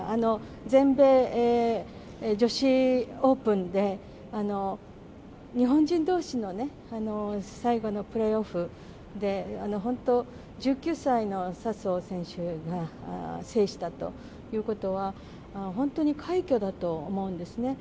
全米女子オープンで、日本人どうしのね、最後のプレーオフで、本当、１９歳の笹生選手が制したということは、本当に快挙だと思うんですね。